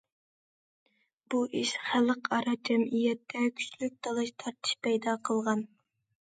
بۇ ئىش خەلقئارا جەمئىيەتتە كۈچلۈك تالاش- تارتىش پەيدا قىلغان.